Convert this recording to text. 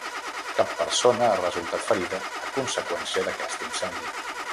Cap persona ha resultat ferida a conseqüència d’aquest incendi.